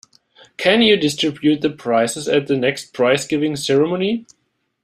Can you distribute the prizes at the next prize-giving ceremony?